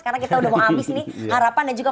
karena kita sudah mau habis nih harapan dan juga